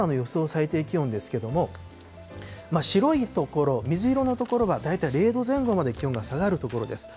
最低気温ですけども、白い所、水色の所は大体０度前後まで気温が下がる所です。